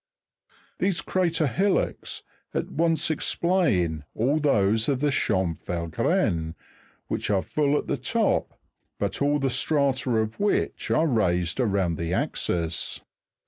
These crater hillocks at once explain all those of the Champs Phlegreens, which are full at the top, but all the strata of which are raised around the axis (fig.